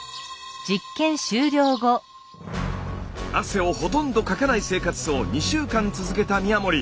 汗をほとんどかかない生活を２週間続けた宮森。